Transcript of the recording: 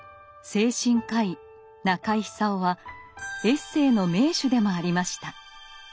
精神科医中井久夫はエッセイの名手でもありました。